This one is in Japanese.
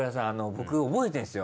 僕覚えてるんですよ。